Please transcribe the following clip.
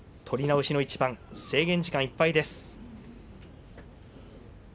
取り直しの一番制限時間いっぱいです。